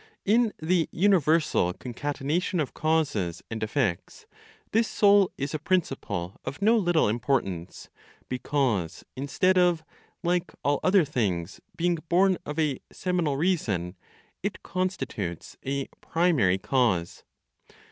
In the universal concatenation of causes and effects, this soul is a principle of no little importance, because, instead of, like all other things, being born of a "seminal reason," it constitutes a "primary cause."